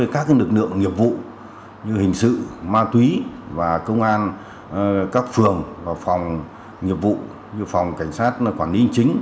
các lực lượng nghiệp vụ như hình sự ma túy và công an các phường và phòng nghiệp vụ như phòng cảnh sát quản lý hình chính